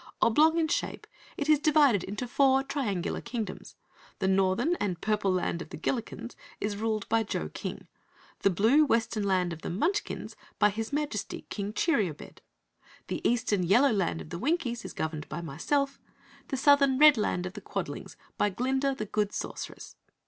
Oblong in shape, it is divided into four triangular Kingdoms. The Northern and Purple Land of the Gillikens is ruled by Jo King; the Blue, Western Land of the Munchkins, by his Majesty King Cheeriobed; the Eastern, Yellow Land of the Winkies is governed by myself; the Southern Red Land of the Quadlings, by Glinda the Good Sorceress.